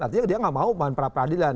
artinya dia tidak mau memohon para peradilan